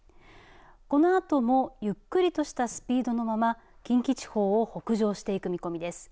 このあともゆっくりとしたスピードのまま近畿地方を北上していく見込みです。